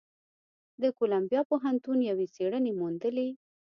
د کولمبیا پوهنتون یوې څېړنې موندلې،